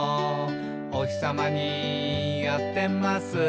「おひさまに当てます」